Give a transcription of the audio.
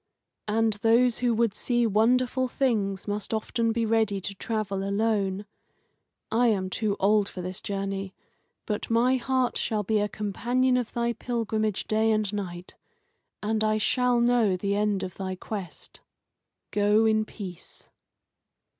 And those who would see wonderful things must often be ready to travel alone. I am too old for this journey, but my heart shall be a companion of thy pilgrimage day and night, and I shall know the end of thy quest. Go in peace."